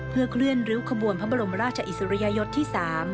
เพื่อเคลื่อนริ้วขบวนพระบรมราชอิสริยยศที่๓